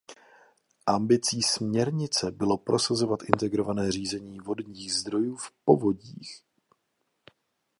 Ambicí směrnice bylo prosazovat integrované řízení vodních zdrojů v povodích.